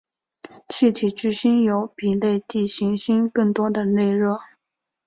气体巨星有比类地行星更多的内热。